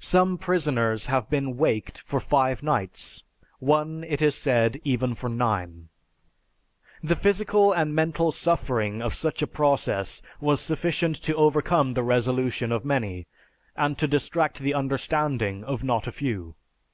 Some prisoners have been "waked" for five nights, one it is said, even for nine. The physical and mental suffering of such a process was sufficient to overcome the resolution of many, and to distract the understanding of not a few.